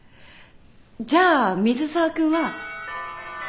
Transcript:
じゃあ水沢君は。